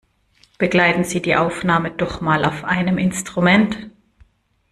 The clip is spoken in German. Begleiten Sie die Aufnahme doch mal auf einem Instrument!